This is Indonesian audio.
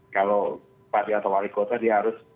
kalau bupati atau wali kota dia harus